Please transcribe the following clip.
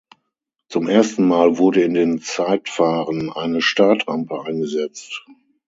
Zum ersten Mal wurde in den Zeitfahren eine Startrampe eingesetzt.